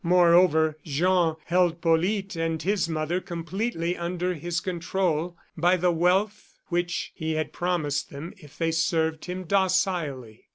Moreover, Jean held Polyte and his mother completely under his control by the wealth which he had promised them if they served him docilely.